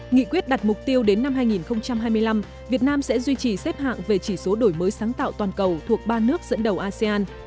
nghị quyết đặt mục tiêu đến năm hai nghìn hai mươi năm việt nam sẽ duy trì xếp hạng về chỉ số đổi mới sáng tạo toàn cầu thuộc ba nước dẫn đầu asean